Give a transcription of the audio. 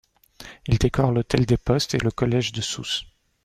Il décore l'Hôtel des Postes et le Collège de Sousse.